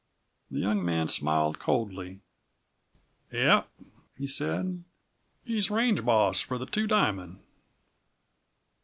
The young man smiled coldly. "Yep," he said; "he's range boss for the Two Diamond!"